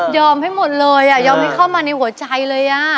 ให้หมดเลยยอมให้เข้ามาในหัวใจเลย